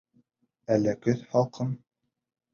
Әле көҙ. һалҡын.